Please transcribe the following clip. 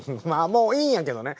もういいんやけどね。